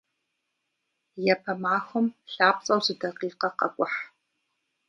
Япэ махуэм лъапцӀэу зы дакъикъэ къэкӀухь.